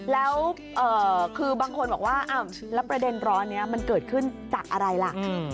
แล้วคือบางคนบอกว่าอ้าวแล้วประเด็นร้อนนี้มันเกิดขึ้นจากอะไรล่ะ